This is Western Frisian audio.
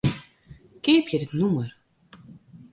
Keapje dit nûmer.